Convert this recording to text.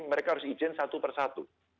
mereka harus izin satu persatu